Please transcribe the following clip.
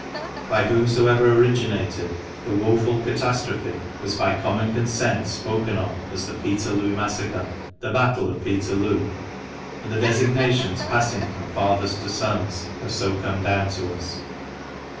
By whomsoever originated the woful catastrophe was by common consent spoken of as the "Peterloo Massacre," the " Battle of Peterloo," and the designations passing from fathers to sons have so come down to us.